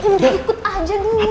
udah ikutin dulu